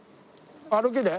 歩きで？